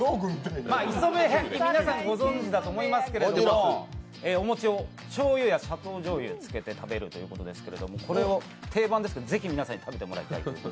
磯辺焼きは皆さんご存じだと思いますけれどもお餅をしょうゆや砂糖じょうゆにつけて食べるということですけどこれ、定番ですけど是非皆さんに食べていただきたい。